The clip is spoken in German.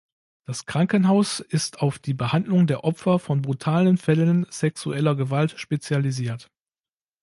Das Krankenhaus ist auf die Behandlung der Opfer von brutalen Fällen sexueller Gewalt spezialisiert.